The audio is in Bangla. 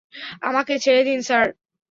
আমাকে ছেড়ে দিন, স্যার।